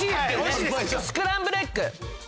スクランブルエッグ。